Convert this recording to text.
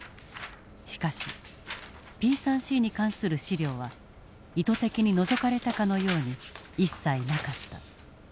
しかしＰ３Ｃに関する資料は意図的に除かれたかのように一切なかった。